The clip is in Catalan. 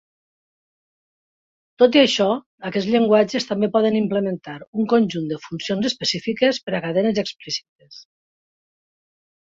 Tot i això, aquests llenguatges també poden implementar un conjunt de funcions específiques per a cadenes explícites.